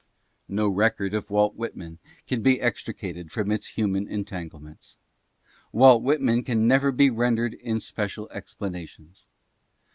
No record of Walt Whitman can be extricated from its human entanglements. Walt Whitman can never be rendered in spe cial explanations.